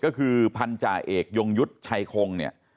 ก็คือผัญญาเอกยุงยุทธ์ไชโคง